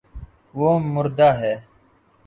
وہ مردا ہے